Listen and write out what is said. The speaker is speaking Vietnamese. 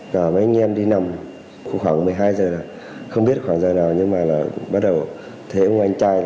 mấy anh em đi nằm khoảng một mươi hai giờ không biết khoảng giờ nào nhưng mà bắt đầu thấy ông anh trai